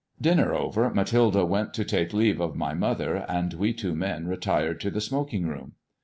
Dinner over, Mathilde went to take leave of my mother, and we two men retired to the smoking room.